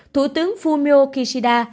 thủ tướng fumio kishida